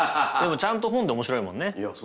でもちゃんと本で面白いもんね。